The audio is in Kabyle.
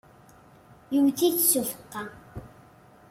Yewwet-it s ubeqqa.